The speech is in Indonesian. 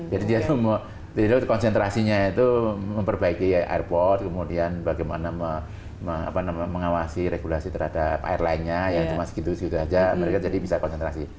jadi dia itu konsentrasinya itu memperbaiki airport kemudian bagaimana mengawasi regulasi terhadap airlinenya yang cuma segitu segitu aja mereka jadi bisa konsentrasi